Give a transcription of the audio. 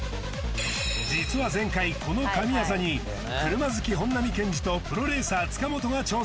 実は前回この神業に車好き本並健治とプロレーサー塚本が挑戦